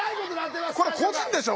これ個人でしょ？